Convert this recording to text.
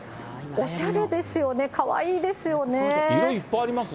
おしゃれですよね、かわいいですよね。